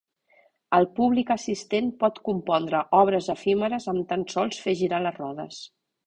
El públic assistent pot compondre obres efímeres amb tan sols fer girar les rodes.